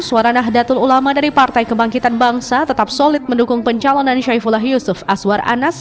suara nahdlatul ulama dari partai kebangkitan bangsa tetap solid mendukung pencalonan syaifullah yusuf aswar anas